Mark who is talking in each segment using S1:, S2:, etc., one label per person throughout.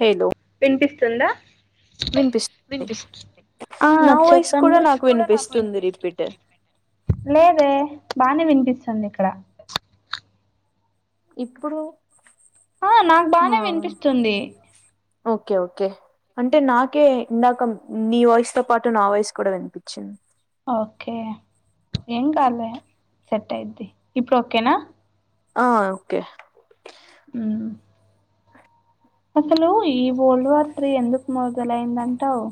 S1: Hello
S2: నిపిస్తుందా
S1: వినిపిస్తుంది
S2: వినిపిస్తు ఆ
S1: నా వాయిస్ కూడా నాకు వినిపిస్తుంది
S2: చెప్పండి
S1: రిపీట్
S2: లేదే బానే వినిపిస్తుంది ఇక్కడ.
S1: ఇప్పుడు
S2: ఆ నాకు
S1: ఆ
S2: బానే విన్పిస్తుంది.
S1: ఓకే ఓకే అంటే నాకే ఇందాక నీ వాయిస్ తో పాటు నా వాయిస్ కూడా వినిపించింది.
S2: ఓకే ఏం కాదులే సెట్ అయిద్ది ఇప్పుడు ఓకేనా.
S1: ఆ ఓకే
S2: ఆ అసలు ఈ వోల్డ్ వార్ త్రీ ఎందుకు మొదలయిందంటవ్.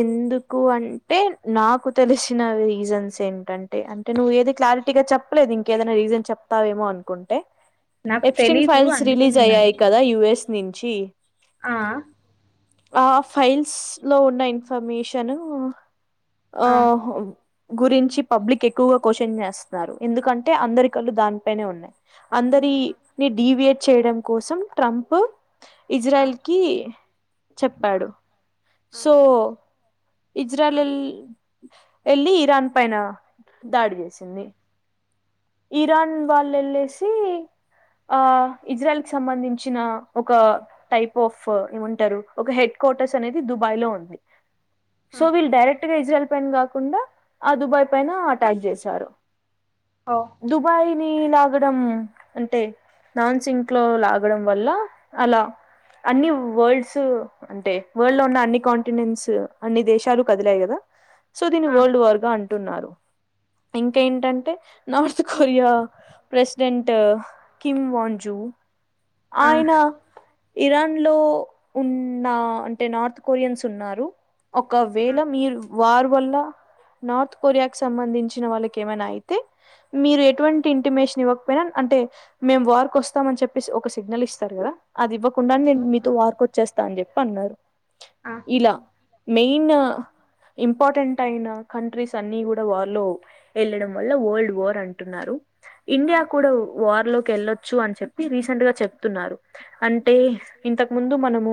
S1: ఎందుకు అంటే నాకు తెలిసిన రీజన్స్ ఏంటంటే అంటే నువ్వు ఏది క్లారిటీగా చెప్పలేదు ఇంకేదైనా రీజన్ చెప్తావేమో అనుకుంటే.
S2: నాకు
S1: ఎప్స్టెంట్
S2: తెలీదు
S1: ఫైల్స్
S2: అందుకే
S1: రిలీజ్
S2: నిన్ను
S1: అయ్యాయి
S2: అడుగుతున్న
S1: కదా యుఎస్ నుం చ్చి
S2: ఆ
S1: ఆ ఫైల్స్ లో ఉన్న ఇన్ న్ఫర్మేషను ఆ గురించి పబ్లిక్ ఎక్కువగా క్వశ్చన్ చేస్తున్నారు ఎందుకంటే అందరి కళ్ళు దానిపైనే ఉన్నాయి అందరి ని డివియేట్ చేయడం కోసం ట్రంప్
S2: ఆ
S1: ఇజ్రాయల్ కి
S2: ఆ
S1: చెప్పాడు
S2: ఆ
S1: సో ఇజ్రాలిల్ ఎల్లి ఇరాన్ పైన దాడి చేసింది ఇరాన్ వాళ్ళు ఎళ్ళేసి ఆ ఇజ్రాయల్ కి సంబంధించిన ఒక టైప్ ఆఫ్ ఏమంటరు ఒక హెడ్ క్వార్టర్స్ అనేది దుబాయ్ లో ఉంది
S2: ఆ ఆ
S1: సో విల్ డైరె క్ట్‌గా ఇజ్రాయల్ పైన కాకుండా ఆ దుబాయ్ పైన అటాక్ చేశారు
S2: ఓ
S1: దుబాయ్ ని లాగడం అంటే నాన్ సింక్ లో లాగడం వల్ల అలా అన్ని వల్డ్స్ అంటే వల్డ్ లో ఉన్న అన్ని కాంటినెంట్స్ అన్ని దేశాలు కదిలాయి కదా సో దీని
S2: ఆ
S1: వర్ల్డ్ వార్ గా అం ంటున్నారు ఇంకేంటంటే నార్త్ కొరియా ప్రెసిడెంట్ కిమ్ వన్ జూ
S2: ఆ
S1: ఆయనా ఇరాన్ లో ఉన్న అంటే నార్త్ కొరియన్స్ ఉన్నారు. ఒకవేళ
S2: ఆ
S1: మీరు వార్ వల్ల నార్త్ కొరియాకి సంబంధించిన వాళ్ళకి ఏమైనా అయితే మీరు ఎటువంటి ఇంటిమేషన్ ఇవ్వకపోయినా అంటే మేము వారికి వస్తాము అని చెప్పేసి ఒక సిగ్నల్ ఇస్తారు కదా? అది ఇవ్వకుండా నేను
S2: అవును
S1: మీతో
S2: ఆ
S1: వర్కోచ్చేస్తా అని చెప్పి అన్నారు.
S2: ఆ
S1: ఇలా మెయిన్ ఇంపార్టెంట్ అయిన కంట్రీస్ అన్ని కూడా వార్ లో వెళ్ళడం వల్ల వరల్డ్. వార్ అంటున్నారు.
S2: ఆ
S1: ఇండియా కూడా వార్ లోకి వెళ్ళొచ్చు అని చె. ప్పి రీసెంట్ గా చెప్తున్నారు. అంటే, ఇంతకు ముందు మనము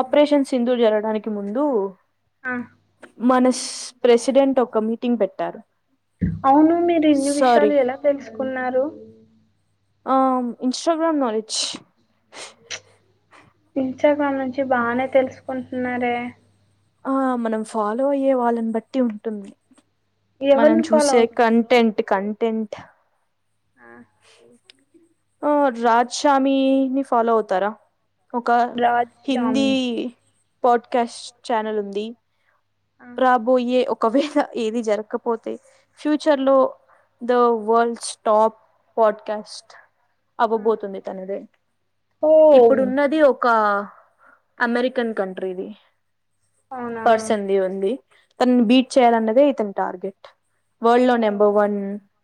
S1: ఆపరేషన్ సింధుర్ జరగడానికి ముందు,
S2: ఆ
S1: మన ప్రెసిడెంట్ ఒక మీటింగ్ పెట్టారు.
S2: అవును మీరు ఇన్ని
S1: సారీ
S2: విషయాలు ఎలా తెలుసుకున్నారు?
S1: ఆ ఇంస్టాగ్రామ్ నాలెడ్జ్. [unintelligible]
S2: చ్చ మ నుంచి బానే తెలుసుకు న్నరే
S1: ఆ మనం ఫాలో అయ్యే వాళ్ళని బట్టి ఉంటుంది మనం
S2: ఎవరిని ఫాలో
S1: చూసే
S2: అవుతున్నారు బ్రో
S1: కంటెంట్ కంటెంట్ అట్
S2: ఆ
S1: అ రాజశ్యామీ నీ ఫాలో అవుతారా? ఒక
S2: రాజ్
S1: హిందీ
S2: స్వామి
S1: పాడ్కాస్ట్ ఛానల్ ఉంది
S2: ఆ
S1: రాబోయే ఒ ఒకవేళ ఏది జరగకపోతే ఫ్యూచర్ లో ద వరల్డ్ టాప్ పాడ్కాస్ట్ అవ్వబోతుంది తనదే
S2: ఓ
S1: ఇప్పుడున్నది ఒక అమెరికన్ కంట్రీది
S2: అవునా
S1: అడి తనను బీట్ చేయాలన్నదే అతని టార్గెట్ వర్ల్డ్ లో
S2: ఓహ్!
S1: నెంబర్ వన్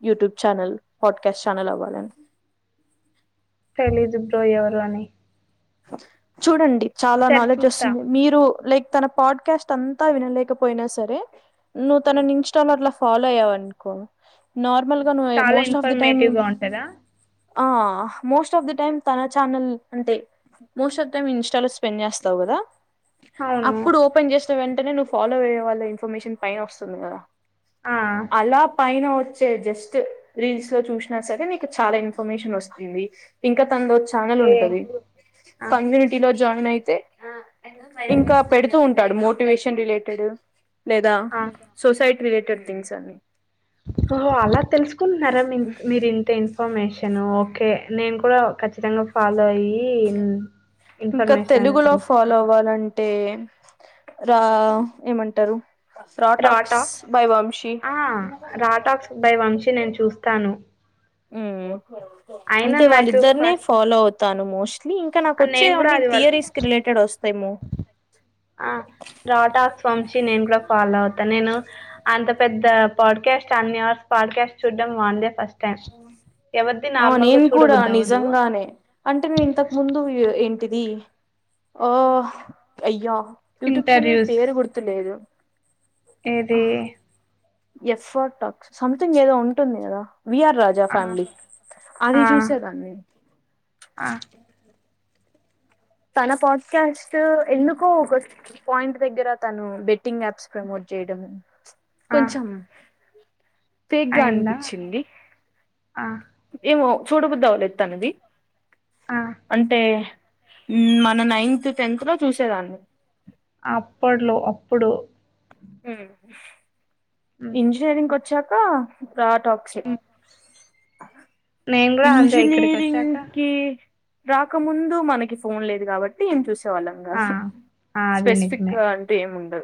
S1: వటిూబ్ చనల్ పడ్కస్ చనల్ అవ్వాలి అని
S2: తెలిదు బ్రో ఎవరు అని
S1: చూడండి చాలా
S2: ఈసారి
S1: నాలెడ్జ్
S2: చూస్తా
S1: ఒస్తుంది మీరు లేక్ తన పాడ్క్యాస్ట్ అంతా వినలేకపోయినా సరే నువ్వు
S2: ఉమ్
S1: తనని ఇంస్టాలో అట్ల ఫాలో అయ్యవ్ అన్కో
S2: ఉమ్
S1: నార్మల్గా నువే
S2: చాలా
S1: most of the time
S2: informative గా ఉంటదా
S1: ఆ మోస్ట్ ఆఫ్ ది టైమ్ తన ఛానల్ అంతే మోస్ట్ అఫ్ టైమ్ ఇన్స్టాలో స్పెండ్ జ్యాస్తవ్ గదా
S2: అవును
S1: అప్పుడు ఓపెన్ జెస్ సో వెంటనే నువ్వు ఫాలో అయ్యే వాళ్ళ ఇన్ఫర్మేషన్ పైన ఒస్తుంది కదా
S2: ఆ
S1: అలా పైన ఒచ్ చే జస్ట్ రీల్స్ లో చూశ్నా సరే నికు చాలా ఇన్ఫర్మేషన్ ఒస్తుంది ఇంక తన్దో ఛానల్
S2: ఓకే
S1: ఉంటది
S2: ఆ
S1: సంగ్ గినిటిలోజ్ జాయిన్ అయితే ఇంకా పెడుతూ ఉంటాడు మోటివేషన్ రిలేటెడ్ లేదా
S2: ఆ
S1: సొసైట్ రిలేటెడ్ థింగ్స్ అన్ని
S2: ఓహో అలా తెలుస్కున్నారా మిన్క్ మీరు ఇంతేన్ ఇన్ఫర్మేషను ఓకే నేన్ కూడా ఖచ్చితంగా ఫాలో అయ్యి ఇన్
S1: ఇంకా
S2: ఇన్ఫర్మేషన్ అనేది
S1: తెలుగులో ఫాలో
S2: తెలుసుకుంటా.
S1: అవ్వాలంటే రా ఏమంటారు రాటాక్స్
S2: రాటాక్
S1: బై వంశీ
S2: ఆ రాటాక్స్ బై వంశీ నేన్ చు చూస్తాను
S1: ఊ
S2: అయినా
S1: అంతే
S2: నాకు
S1: వాళ్ళిద్దర్నే
S2: ఫస్ట్
S1: ఫాలో అవుతాను మోశ్ తీ ఇంకా
S2: ఆ! నేను
S1: నాకొచ్చేవ్
S2: గూడా
S1: అన్నీ
S2: అది వరకు
S1: థీరీస్ కి రిలేటెడ్ ఒస్
S2: ఆ రా టాక్స్ వంశ్ శీ నేన్ గుడా ఫాలో అవ్తా నేను అంత పెద్ద పాడ్క్యాస్ట్ అన్ని అవర్స్ పాడ్క్యాస్ట్ చూడ్డం వాందే ఫస్ట్ టైమ్. ఎవరిది
S1: ఆ
S2: నార్మల్‌గా
S1: నీన్ కూడా
S2: చూడబుద్దవ్వదు.
S1: నిజంగానే అంటే నీ ఇంతక్ ముందు ఏ ఇన్ టిది ఓ అయ్యా యూట్యూబ్ ఛానల్ పేరు గుర్తు లేదు
S2: ఏదీ
S1: ఎఫ్ ఆర్ టాక్స్ సమ్థింగ్ ఏదో ఉంటుంది గదా విఆర్ రాజా
S2: ఆ!
S1: ఫ్యామ్లీ అది
S2: ఆ
S1: చూసరా మీ
S2: ఆ
S1: తన పాడ్కాస్ట్ ఎందుకో ఒక పాయింట్ దగ్గర తను బెట్టింగ్ యాప్స్ ప్రమోట్ చేయడం
S2: ఆ
S1: కొంచెం ఫేక్ గా
S2: అయిందా
S1: అనిపిచింది
S2: ఆ
S1: ఏమో చూడబద్దవ్వలేదు తనది
S2: ఆ
S1: అంటే మన నైన్త్ టెన్త్ లో చూసేదాన్ని
S2: అప్పట్లో అప్పుడు
S1: హ
S2: హ్మ్,
S1: ఇంజినీరింగ్ కొ చ్చాకా రా టాక్స్
S2: హ్మ్. నేను కూడా అంతే ఇక్కడికి
S1: ఇంజినీరింగ్
S2: వచ్చాక
S1: కి రాకముందు మనకి ఫోన్ లేదు కాబట్టి ఏం చూస
S2: ఆ ఆ అదే నిజమే
S1: అంటూ ఏమి ఉండదు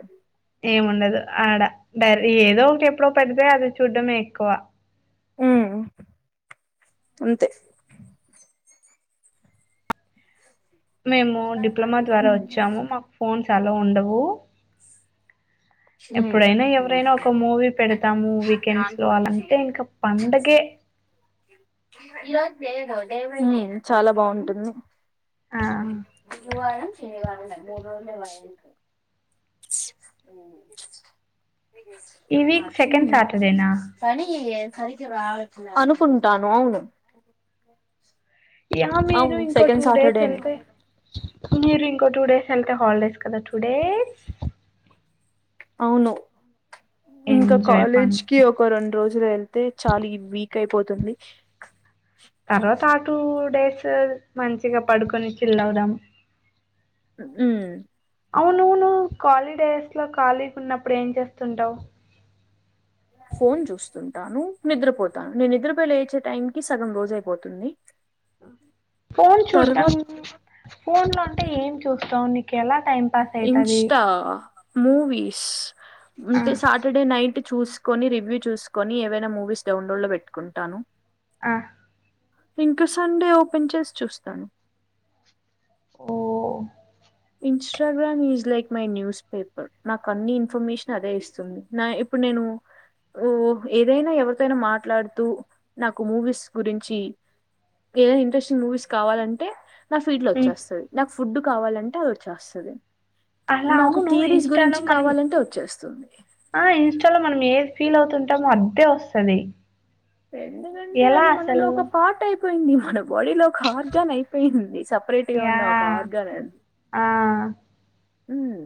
S2: ఏముండదు ఆడ డరి ఏదో ఒకటి ఎప్పుడో పెడితే అది చూడ్డమే ఎక్కువ
S1: హమ్ అంతే
S2: మేము డిప్లొమా ద్వారా
S1: ఉమ్
S2: వచ్చాము మాకు ఫోన్స్ న్స్ అలో ఉండవు
S1: ఉమ్
S2: ఎప్పుడైన ఎవరైన ఒక మూవీ పెడిత్ స్తాము వీకెండ్స్ లో అలా అంతే ఇక పండగే
S1: ఉమ్ చాలా బాగుంటుంది
S2: ఆ
S1: గురువారం [inaudible]
S2: ఈ
S1: అ
S2: వీక్ సెకండ్ సాటర్డేనా
S1: [inaudible] కానీ అనుకుంటాను అవును
S2: ఏమో మీరు
S1: అవును
S2: ఇంకో
S1: సెకండ్
S2: టూ డేస్
S1: సాటర్డేనే
S2: వెళ్తే మీరు ఇంకో టూ డేస్ వెళ్తే హాలిడేస్ కద టూ డేస్
S1: అవును ఇంకా
S2: ఎంజాయ్
S1: కాలేజ్
S2: పండుగ
S1: కి ఒక రెండు రోజులు వెళ్తే చాలు ఈ వీక్ కైపోతుంది
S2: తరువాత ఆ టూ డేస్ మంచిగ పడుకొని చిల్ అవుదాము
S1: ఉమ్
S2: అవును్వును్వు ఖాలీడేస్ లో ఖాళీగా ఉన్నప్పుడు ఏం చేస్తుంటావు్
S1: ఫోన్ చూస్తుంటాను నిద్రపోతాను నేను నిద్రపోయలే లేచ్చే, టైంకిి సగం రోజ్ అయిపోతుంది
S2: ఫోన్ చూడడం
S1: తర్వాత
S2: ఫోన్ లో అంటే ఏం చూస్తావు నీ కి ఎలా టైమ్ పాస్ అయితది
S1: ఇన్స్టా మూవీస్
S2: ఆ
S1: ఉంటే సటర్డే నైట్ చూకొని రివ్యూ చూసుకొని ఏవైనా మూవీస్ డౌన్లోడ్ లో పెట్టుకుంటాను
S2: ఆహ్
S1: ఇంక సండే ఓపెన్ చేసి చూస్తాను
S2: ఓహ్
S1: Instagram is like my newspaper నాకు అన్ని ఇన్ఫర్మేషన్ అదే ఇస్తుంది నా ఇప్పుడు నేను ఏదైనా ఎవరితోనా మాట్లాడుతూ నాకు మూవీస్ గురించి ఏదైనా ఇంట్రెస్టింగ్ మూవీస్ కావాలంటే నా ఫీల్డ్ లో
S2: ఉమ్.
S1: వచ్చేస్తది నా ఫుడ్ కావాలం టే వచ్చేస్తాది
S2: అలా అవును ఇన్స్టాలో మనం
S1: కావాలంటే వచ్చేస్తుంది
S2: ఆ ఇన్స్టాలో మనం ఏది ఫీల్ అవుతుంటామో అద్దే వస్తానాయి
S1: ఎండగంటే అది మనలో ఒక పాట అయిపో [unintelligible] బాడీలో ఒక ఆర్గాన్ అయిపోయింది సపరేట్ గా
S2: యా
S1: ఉన్న ఒక ఆర్గాన్ అది
S2: ఆ
S1: ఉమ్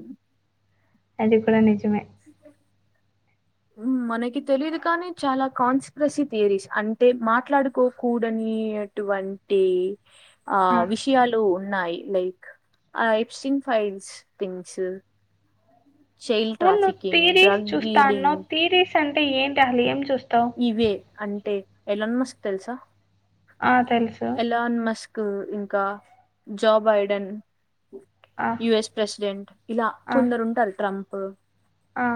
S2: అది కూడా నిజ [unintelligible]
S1: మనకి తెలిదు కానీ చాలా కాన్స్పిరసీ థియరీస్ అంటే మాట్లాడుకోకూడనేటువంటి ఆ విషయాలు ఉన్నాయి like Epstein files things child
S2: ఉను త
S1: ట్రాఫికింగ్
S2: తీరిస్
S1: డ్రగ్
S2: చ స్థాను
S1: డీలింగ్
S2: తరిస్ అంటే ఏంటిాలి ఏం చూస్త
S1: ఇవే అంటే ఎలాన్నాస్తు తెలుసా
S2: ఆ తెలుసు
S1: ఎలాన్ మస్క్ ఇంకా జో బైడెన్
S2: ఆ
S1: యుఎస్ ప్రెసిడెంట్ ఇలా
S2: ఆ
S1: కొందరు ఉంటారు ట్రంప్ ఆ
S2: ఆ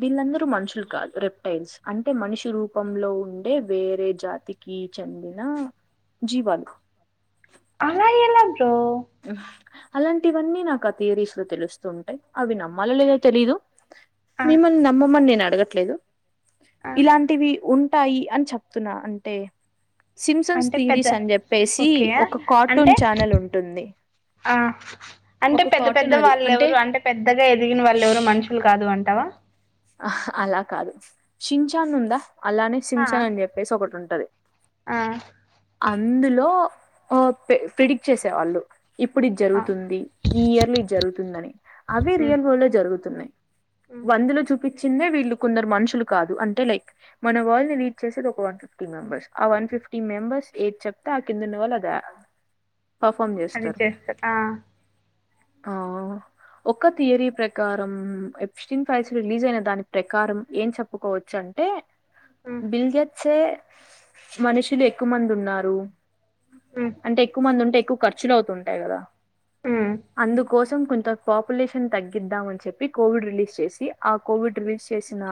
S1: వీళ్ళందరూ మనుషులు కాదు రెప్టైల్స్ అంటే మనిషి రూపంలో ఉండే వేరే జాతికి చెందిన జీవాలు
S2: టా
S1: అలాంటివన్నీ నాకు ఆ తీరీస్ లో తెలుస్తూ ఉంటాయి అవి నమ్మాల లేదో తెలీదు
S2: ఆ
S1: మిమల్ని నమ్మ మని నేన్ అడగట్ ట్లేదు
S2: ఆ
S1: ఇలాంటివి ఉం ఉంటాయి అని చెప్తున్నా అంతె సిమ్సన్స్
S2: అంటే పెద్ద
S1: తీరిస్ అని చెప్పేసి
S2: ఓకే
S1: ఒక కార్టూన్
S2: అంటే
S1: ఛానల్ ఉంటుంది
S2: ఆ అంటే
S1: ఒక
S2: పెద్ద పెద్ద
S1: కార్టూన్ అది
S2: వాళ్ళ ఎవరు అంటే పెద్దగా ఎదిగిన వాళ్ళ ఎవరు మనుషులు కాదు అం టవా
S1: ఆ అలా కాదు షించాన్ ఉందా అలానే
S2: ఆ
S1: శించాన్ అని చెప్పేసి ఒకటి ఉంటం తది
S2: ఆ
S1: అందులో ఓ ప్రిడిక్ట్ చేసేవాళ్ళు ఇప్పుడు ఇది
S2: ఆ
S1: జరుగుతుంది ఈ ఇయర్ లో ఇది జరుగుతుందని అవిే
S2: ఉమ్
S1: రియల్ వరల్డ్ లో జరుగుతున్నాయి
S2: ఉమ్
S1: వందులో చూపి చిన్న వీళ్ళు కొందరు మనుషులు కాదు అంటే లైక్ మన వాళ్ళని వీట్ చేసేది ఒక వన్ ఫిఫ్టీ మెంబెర్స్ ఆ వన్ ఫిఫ్టీ మెంబెర్స్ ఏజ్ చెప్త అ కింద ఉన్న ఓల్ అది చేయాలి
S2: అది చేస్తర్ ఆ
S1: ఆ ఒక్క తీయరీ ప్రకారం ఎ ప్సటీన్ ఫైల్స్ రిలీజ్ అయిన దాని ప్రకారం ఏం చెప్పుకోవచ్చు అంటే
S2: ఉమ్
S1: బిల్ గేట్స్ ఎ మనుషులు ఎక్కువ మంది ఉం న్నారు
S2: ఉమ్
S1: అంటే ఎక్కువ మంది ఉంటే ఎక్కువ ఖర్చులవుతుంటాయి గదా
S2: ఉమ్
S1: అందుకోస్ కొంత పాపులేషన్ తగ్గిద్దాం అని చెప్పి కోవిడ్ రిలీజ్ చేసి ఆ కోవిడ్ రిలీజ్ చేసిన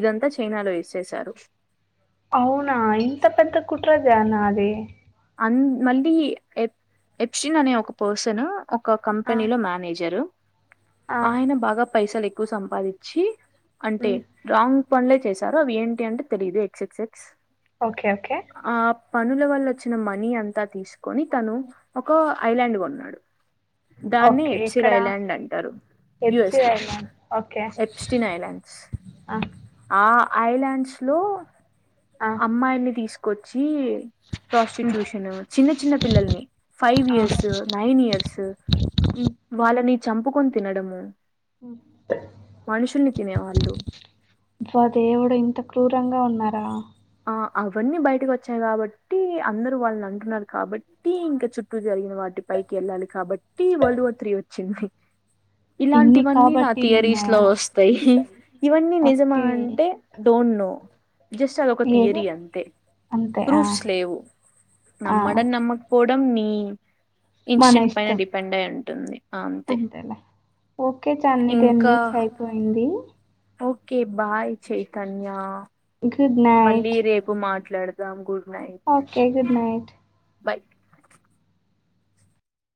S1: ఇదంతా చైనాలో యూజ్ చేశారు
S2: అవునా ఇంత పెద్ద కుట్ ట్ర దానా అది
S1: అన్ మళ్ళీ ఎప్ ఎప్షన్ అనే ఒక పర్సన్ ఒక
S2: ఆ!
S1: కంపెనీ లో మేనేజరు
S2: ఆ!
S1: ఆయన బాగా పైసలు ఎక్కువ సంపాదిచి అంటే
S2: హ్మ్.
S1: రాంగ్ పనులే చేశారు అవి ఏంటి అంటే తెలియదు X X X
S2: okay okay
S1: పనులవల్లచ్ మనీ అంతా తీసుకొని తను ఒక ఐలాండ్ కొన్నాడు. దాన్ని
S2: ఓకే.
S1: ఎప్సిన్
S2: ఎక్కడ?
S1: ఐలాండ్ అంటారు యుఎస్ లో
S2: హెచ్‌సిఐలో. ఓకే.
S1: ఎప్స్టిన్ ఐలాండ్స్
S2: ఆ!
S1: ఆ. ఐలాండ్స్ లో
S2: ఆ!
S1: అమ్మాయిని తీస్ కొచ్చి
S2: హ్మ్.
S1: ప్రాస్టిట్యూషన్ చిన్న చిన్న పిల్లల్ని ఫైవ్
S2: ఆ!
S1: ఇయర్స్ నైన్ ఇయర్స్ వాళ్ళని చంపుకొని తినడము మనుషుల్ని తినేవాళ్ళు
S2: అబ్బ దేవుడు ఇంత క్రూరంగా ఉన్నారా
S1: అ అవన్నీ బయటకు వచ్చాయి కాబట్టి అందరు వాళ్ళని అంటున్నారు కాబట్టి ఇంకా చుట్టూ జరిగిన వాటి పైకి ఎళ్ళాలి కాబ టీ వల్ వార్ త్రీ చింది
S2: ఇన్ని
S1: ఇలాంటివన్నీ నా థియరీస్ లో
S2: కాబట్టీలున్నాయా?
S1: ఒస్తయ్ ఇవన్నీ నిజమా
S2: ఓకే.
S1: అంటే డోంట్ నో జస్ట్ అదొక
S2: ఏదో
S1: తియరి అంతే
S2: అంతే. ఆ!
S1: ప్రూఫ్స్ లేవు.
S2: ఆ!
S1: నమ్మడం నమ్మకపో ఇదం నీ
S2: మన
S1: ఇన్స్టెంట్ పైన
S2: ఇష్టం.
S1: డిపెండ్ అయి ఉంటుంది ఆ, అంతే
S2: అంతేలే, ఓకే చన్న టెన్
S1: ఇంకా
S2: మినిట్స్ అయిపోయింది.
S1: Okay bye Chaitanya.
S2: గుడ్
S1: మళ్ళీ
S2: నైట్.
S1: రేపు మాట్లాడ్ దామ్ గు
S2: ఓకే గుడ్ నైట్.
S1: బాయ్